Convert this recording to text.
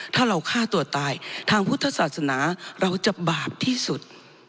ถ้าเราฆ่าตัวตายทางพุทธศาสนาเราจะบาปที่สุด